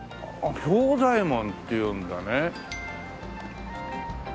「兵左衛門」っていうんだね。